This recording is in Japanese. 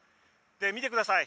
見てください。